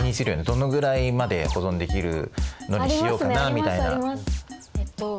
どのぐらいまで保存できるのにしようかなみたいな。ありますね。